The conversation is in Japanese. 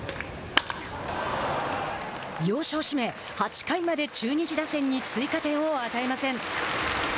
要所を締め、８回まで中日打線に追加点を与えません。